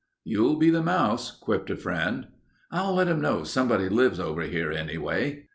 "You'll be the mouse," quipped a friend. "I'll let 'em know somebody lives over here anyway...."